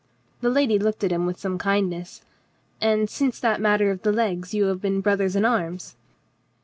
The lady looked at him with some kindness. "And since that matter of the legs you have been brothers in arms?"